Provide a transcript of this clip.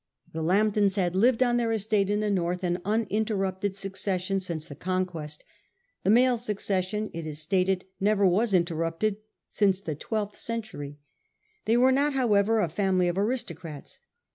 The Lambtons had lived on their estate in the north, in uninterrupted succession, since the Conquest. The male succession, it is stated, never was interrupted since the twelfth century. They were not, however, a family of aristocrats.